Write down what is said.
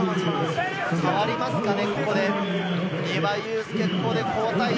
下がりますかね？